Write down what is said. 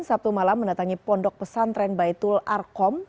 sabtu malam mendatangi pondok pesantren baitul arkom